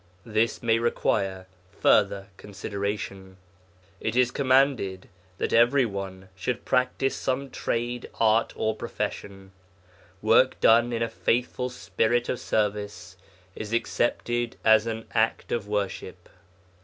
This may require further consideration. It is commanded that every one should practise some trade, art, or profession. Work done in a faithful spirit of service is accepted as an act of worship.